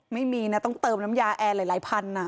ไม่มีนะต้องเติมน้ำยาแอร์หลายพัน